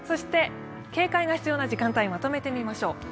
警戒が必要な時間帯をまとめてみましょう。